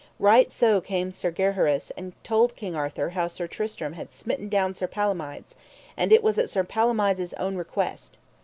Right so came Sir Gaheris and told King Arthur how Sir Tristram had smitten down Sir Palomides, and it was at Sir Palomides' own request.